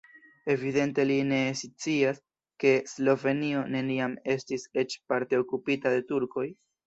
Evidente li ne scias, ke Slovenio neniam estis eĉ parte okupita de turkoj.